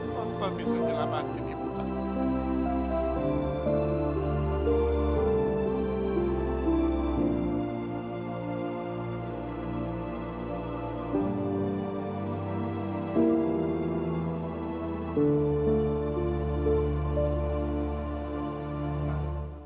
papa bisa menyelamatkan ibu kamu